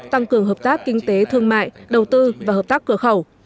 tăng cường hợp tác kinh tế thương mại đầu tư và hợp tác cửa khẩu